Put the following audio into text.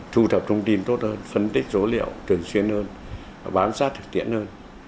thu thập thông tin tốt hơn phân tích số liệu thường xuyên hơn bám sát thực tiễn hơn